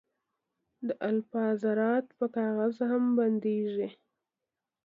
د الفا ذرات په کاغذ هم بندېږي.